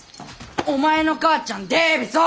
お前の母ちゃんでべそ！